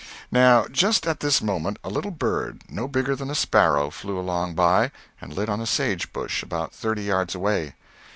Now just at this moment, a little bird, no bigger than a sparrow, flew along by and lit on a sage bush about thirty yards away.